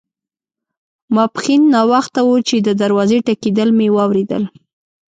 ماپښین ناوخته وو چې د دروازې ټکېدل مې واوریدل.